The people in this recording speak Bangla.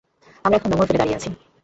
আমরা এখন নোঙর ফেলে দাঁড়িয়ে আছি।